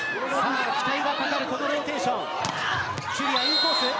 期待がかかるこのローテーション。